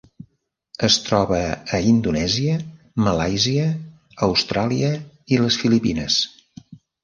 Es troba a Indonèsia, Malàisia, Austràlia i les Filipines.